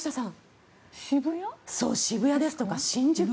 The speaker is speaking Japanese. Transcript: そう渋谷ですとか新宿？